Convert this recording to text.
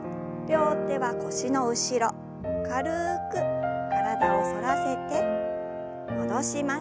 両手は腰の後ろ軽く体を反らせて戻します。